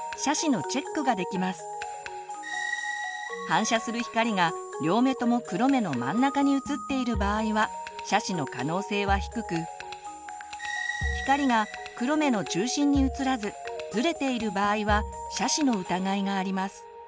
反射する光が両目とも黒目の真ん中にうつっている場合は斜視の可能性は低く光が黒目の中心にうつらずずれている場合は斜視の疑いがあります。